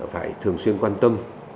phải thường xuyên quan tâm